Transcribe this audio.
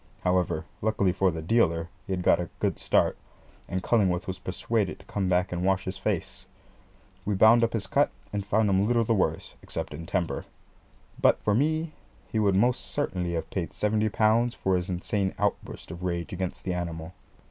However, luckily for the dealer, he had got a good start, and Cullingworth was persuaded to come back and wash his face. We bound up his cut, and found him little the worse, except in his temper. But for me he would most certainly have paid seventy pounds for his insane outburst of rage against the animal.